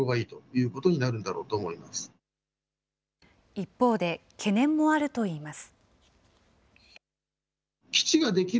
一方で、懸念もあるといいます。